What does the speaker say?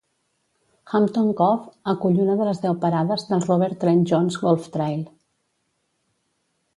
Hampton Cove acull una de les deu parades del Robert Trent Jones Golf Trail.